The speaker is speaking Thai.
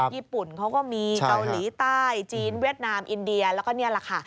ญี่ปุ่นเขาก็มีเกาหลีใต้จีนเวียดนามอินเดียแล้วก็นี่แหละค่ะ